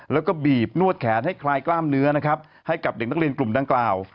แล้วก็บีบนวดแขนให้คลายกล้ามเนื้อนะครับให้กับเด็กนักเรียนกลุ่มดังกล่าว